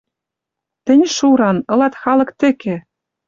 Тӹнь, шуран, ылат халык тӹкӹ.